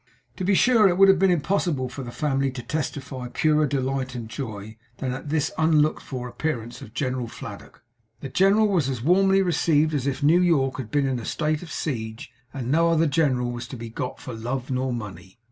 To be sure, it would have been impossible for the family to testify purer delight and joy than at this unlooked for appearance of General Fladdock! The general was as warmly received as if New York had been in a state of siege and no other general was to be got for love or money.